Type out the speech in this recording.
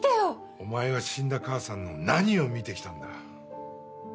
お前は死んだ母さんの何を見てきたんだ！